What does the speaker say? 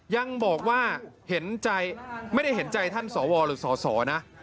ยังบอกว่าเห็นใจไม่ได้เห็นใจท่านสวหรือสสนะ